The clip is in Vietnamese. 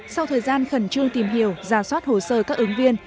sau thời gian khẩn trương tìm hiểu giả soát hồ sơ các ứng viên